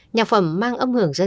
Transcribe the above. nhạc phẩm mang âm hưởng sáng tạo